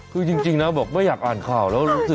คือจริงนะบอกไม่อยากอ่านข่าวแล้วรู้สึก